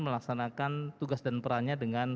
melaksanakan tugas dan perannya dengan